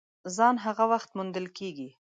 ځان هغه وخت موندل کېږي !